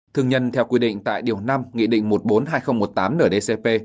thương nhân theo quy định tại điều năm nghị định một trăm bốn mươi hai nghìn một mươi tám ndcp